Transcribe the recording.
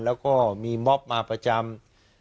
แล้วก็มีม็อบมาประจำ